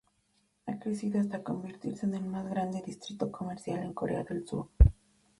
Ha crecido hasta convertirse en el más grande distrito comercial en Corea del Sur.